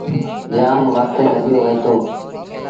جآم وکت لڳيو وهيٚتو۔